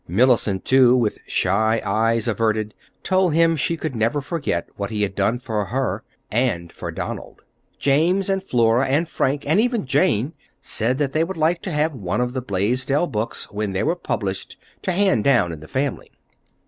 Mellicent, too, with shy eyes averted, told him she should never forget what he had done for her—and for Donald. James and Flora and Frank—and even Jane!—said that they would like to have one of the Blaisdell books, when they were published, to hand down in the family.